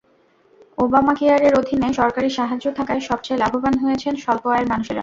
ওবামাকেয়ারের অধীনে সরকারি সাহায্য থাকায় সবচেয়ে লাভবান হয়েছেন স্বল্প আয়ের মানুষেরা।